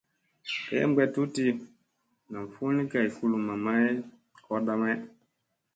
Gayam ka tuɗti nam fulli kay kulumma may koorda may.